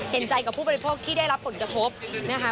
เห็นใจกับผู้บริโภคที่ได้รับผลกระทบนะคะ